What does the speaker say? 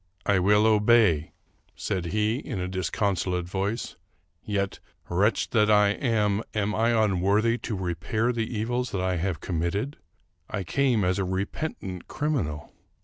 " I will obey," said he, in a disconsolate voice ;" yet, wretch as I am, am I unworthy to repair the evils that I have committed? I came as a repentant criminal.